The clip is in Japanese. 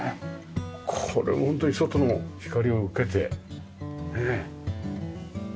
これホントに外の光を受けてねえ。